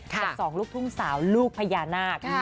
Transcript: กับ๒ลูกทุ่งสาวลูกพญานาค